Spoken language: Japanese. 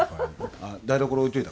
あ台所置いといた。